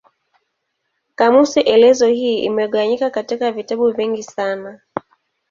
Kamusi elezo hii imegawanyika katika vitabu vingi sana.